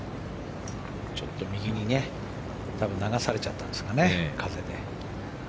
ちょっと右に流されちゃったんですかね風で。